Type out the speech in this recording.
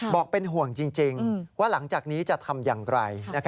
บอกเป็นห่วงจริงว่าหลังจากนี้จะทำอย่างไร